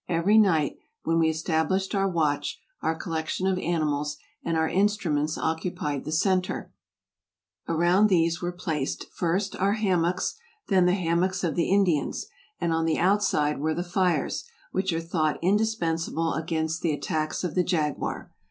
Every night, when we established our watch, our collection of animals and our instruments occupied the center ; around these were placed, first, our hammocks, then the hammocks of the In dians; and on the outside were the fires, which are thought indispensable against the attacks of the jaguar.